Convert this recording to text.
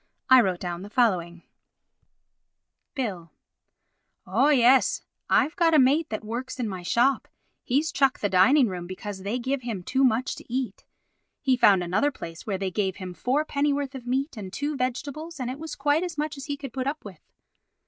I wrote down the following:— Bill: Oh, yes. I've got a mate that works in my shop; he's chucked the Dining Room because they give him too much to eat. He found another place where they gave him four pennyworth of meat and two vegetables and it was quite as much as he could put up with.